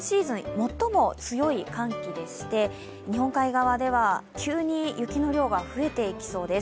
最も強い寒気でして日本海側では急に雪の量が増えていきそうです。